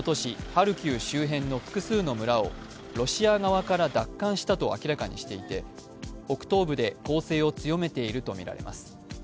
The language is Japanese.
ハルキウ周辺の複数の村をロシア側から奪還したと明らかにしていて北東部を攻勢を強めているとみられます。